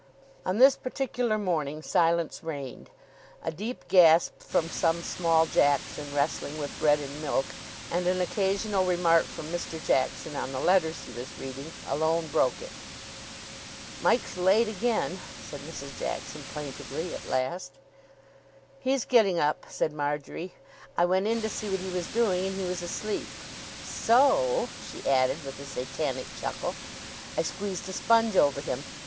On this particular morning silence reigned. A deep gasp from some small Jackson, wrestling with bread and milk, and an occasional remark from Mr. Jackson on the letters he was reading, alone broke it. "Mike's late again," said Mrs. Jackson plaintively, at last. "He's getting up," said Marjory. "I went in to see what he was doing, and he was asleep. So," she added with a satanic chuckle, "I squeezed a sponge over him.